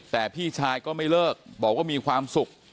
แต่พี่ชายก็ไม่เลิกบอกว่ามีความสุข